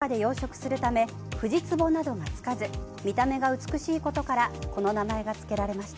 干潟につるしたかごの中で養殖するためフジツボなどがつかず見た目が美しいことからこの名前が付けられました。